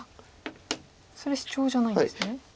それシチョウじゃないんですね。